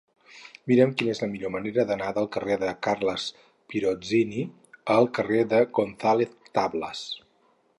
Mira'm quina és la millor manera d'anar del carrer de Carles Pirozzini al carrer de González Tablas.